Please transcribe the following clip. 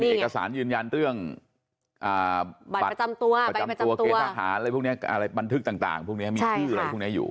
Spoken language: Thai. มันมีเอกสารยืนยันเรื่องบัตรประจำตัวเกรทฐานบันทึกต่างมีชื่ออะไรอยู่